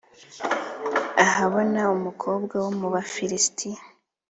ahabona umukobwa wo mu Bafilisitiya